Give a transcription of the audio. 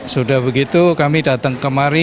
sudah begitu kami datang kemari